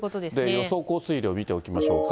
予想降水量見ておきましょうか。